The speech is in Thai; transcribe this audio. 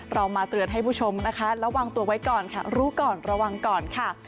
เรามาเตือนให้ผู้ชมนะคะระวังตัวไว้ก่อนค่ะรู้ก่อนระวังก่อนค่ะ